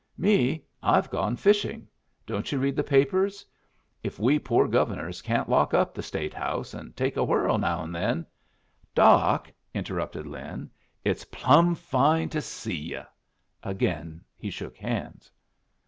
"Me! I've gone fishing. Don't you read the papers? If we poor governors can't lock up the State House and take a whirl now and then " "Doc," interrupted Lin, "it's plumb fine to see yu'!" Again he shook hands.